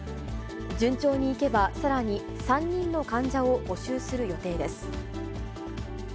順調にいけば、さらに３人の患者を募集する予定です。